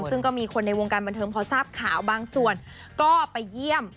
ซึ่งก็มีคนในวงการบันเทิงพอทราบข่าวบางส่วนก็ไปเยี่ยม